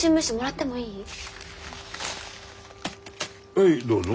はいどうぞ。